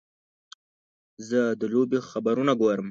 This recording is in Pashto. زه د لوبې خبرونه ګورم.